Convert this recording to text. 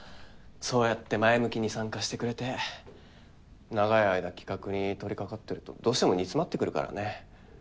そうやって前向きに参加してくれて長い間企画に取りかかってるとどうしても煮詰まってくるからね